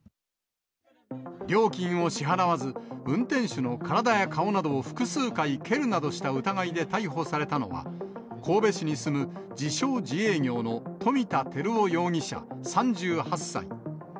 料金を支払わず、運転手の体や顔などを複数回蹴るなどした疑いで逮捕されたのは、神戸市に住む自称自営業の富田輝大容疑者３８歳。